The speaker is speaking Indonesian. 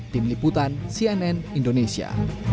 tim liputan cnn indonesia